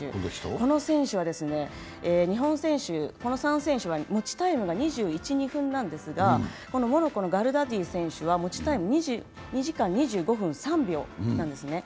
この選手、この３選手は持ちタイムが２４分ですがモロッコのガルダディ選手は持ち時間２時間２５分なんですね。